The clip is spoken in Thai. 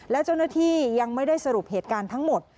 และเจ้าหน้าที่ยังไม่ได้สรุปเหตุการณ์ทั้งหมด